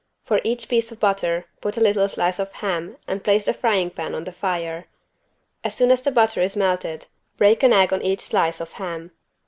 For each piece of butter put a little slice of ham and place the frying pan on the fire. As soon as the butter is melted break an egg on each slice of ham.